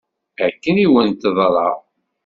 Akken i wen-teḍra.